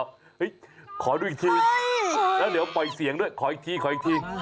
อ้าวเห้ยขอดูอีกทีแล้วนายจะปล่อยเสียงด้วยขออีกที